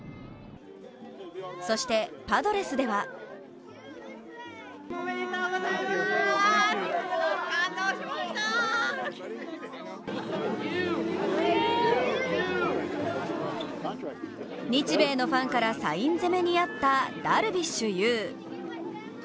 そしてパドレスでは日米のファンからサイン攻めにあったダルビッシュ有。